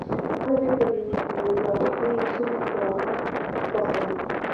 ښځې په مېندوارۍ کې ځینې خواړه خوښوي.